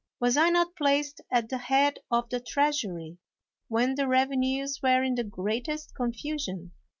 Was I not placed at the head of the treasury when the revenues were in the greatest confusion?